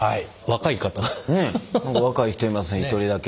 若い人いますね１人だけ。